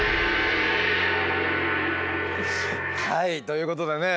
はいということでね